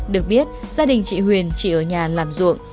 được biết gia đình chị huyền chỉ ở nhà làm ruộng